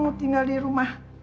mau tinggal di rumah